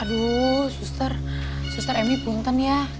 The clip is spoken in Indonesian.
aduh suster suster emmy punten ya